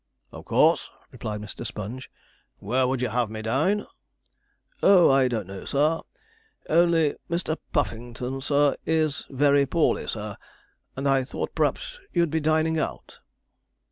'Of course,' replied Mr. Sponge, 'where would you have me dine?' 'Oh, I don't know, sir only Mr. Puffington, sir, is very poorly, sir, and I thought p'raps you'd be dining out.